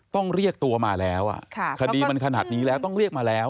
ต้องเรียกตัวมาแล้วคดีมันขนาดนี้แล้วต้องเรียกมาแล้ว